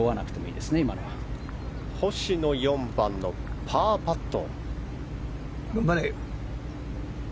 星野、４番のパーパット。